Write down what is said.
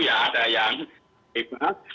yang ada yang hebat